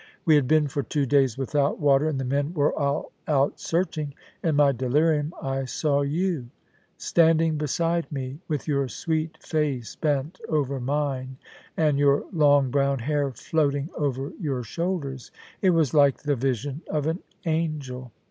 We had been for two days without water, and the men were all out searching. In my delirium I saw you standing beside me, with your sweet face bent over mine, and your long brown hair floating over your shoulders. It was like the vision of an angel.